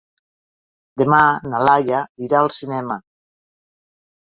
Demà na Laia irà al cinema.